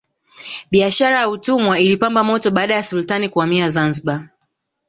biashara ya utumwa ilipamba moto baada ya sultani kuhamia zanzibar